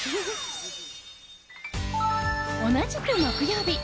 同じく木曜日。